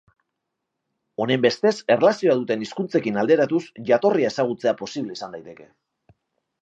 Honenbestez, erlazioa duten hizkuntzekin alderatuz jatorria ezagutzea posible izan daiteke.